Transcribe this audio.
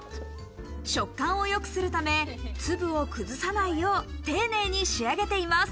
食感を良くするため、粒を崩さないよう丁寧に仕上げています。